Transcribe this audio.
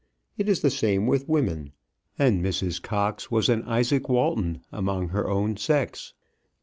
It is the same with women; and Mrs. Cox was an Izaak Walton among her own sex.